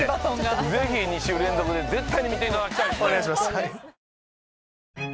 ぜひ２週連続で絶対に見ていただきたいですね。